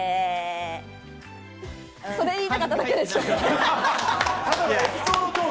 それ言いたかっただけでしょ。